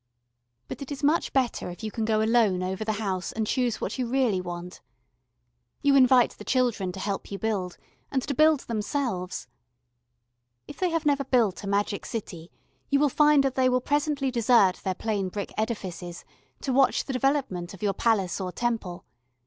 [Illustration: THE PALACE OF CATS. 120] But it is much better if you can go alone over the house and choose what you really want. You invite the children to help you build, and to build themselves. If they have never built a magic city you will find that they will presently desert their plain brick edifices to watch the development of your palace or temple.